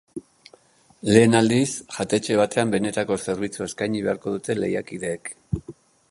Lehen aldiz, jatetxe batean benetako zerbitzua eskaini beharko dute lehiakideek.